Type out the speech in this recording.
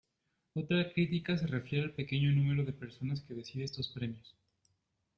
Otra crítica se refiere al pequeño número de personas que decide estos premios.